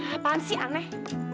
apaan sih aneh